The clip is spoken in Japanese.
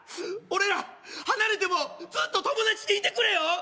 俺ら離れてもずーっと友達でいてくれよ！